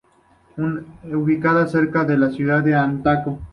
Ubica cerca de ella a la ciudad de Acanto.